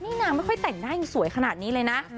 นี่นางไม่ค่อยแต่งหน้ายังสวยขนาดนี้เลยนะ